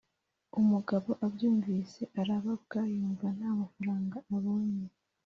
Umugabo abyumvise arababwa yumva nta mafaranga abonye